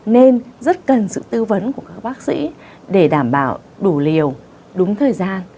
nên rất cần sự tư vấn của các bác sĩ để đảm bảo đủ liều đúng thời gian